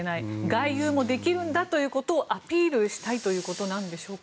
外遊もできるんだということをアピールしたいということでしょうか。